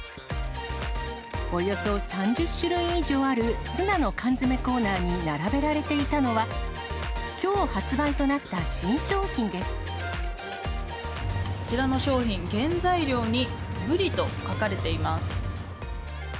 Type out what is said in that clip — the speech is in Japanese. およそ３０種類以上あるツナの缶詰コーナーに並べられていたのは、こちらの商品、原材料にブリと書かれています。